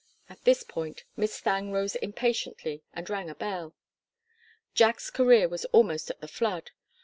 At this point Miss Thangue rose impatiently and rang a bell. Jack's career was almost at the flood.